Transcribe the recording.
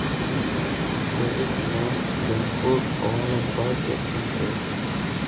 Terry Gilliam, John Hurt o Alan Parker, entre otros.